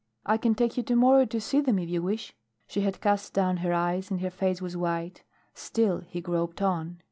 "I can take you to morrow to see them if you wish." She had cast down her eyes and her face was white. Still he groped on.